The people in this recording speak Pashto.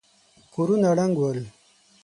کورونه ړنګ ول.